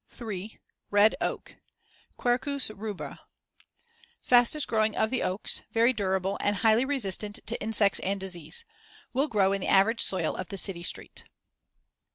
3. Red oak (Quercus rubra) Fastest growing of the oaks; very durable and highly resistant to insects and disease; will grow in the average soil of the city street.